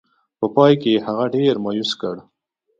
په پای کې یې هغه ډېر مایوس کړ.